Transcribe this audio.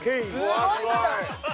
すごい豚。